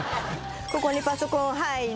ここにパソコン入る